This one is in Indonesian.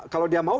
kalau dia mau